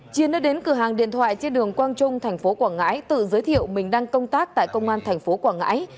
chiến đã đến cửa hàng điện thoại trên đường quang trung thành phố quảng ngãi tự giới thiệu mình đang công tác tại công an thành phố quảng ngãi